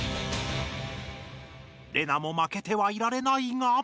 レナも負けてはいられないが。